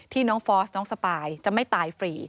น้องฟอสน้องสปายจะไม่ตายฟรี